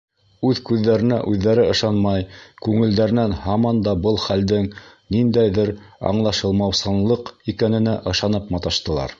Үҙ күҙҙәренә үҙҙәре ышанмай, күңелдәренән һаман да был хәлдең ниндәйҙер аңлашылмаусанлыҡ икәненә ышанып маташтылар.